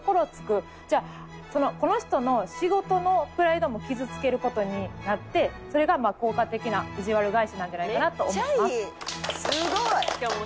この人の仕事のプライドも傷つける事になってそれが効果的ないじわる返しなんじゃないかなと思います。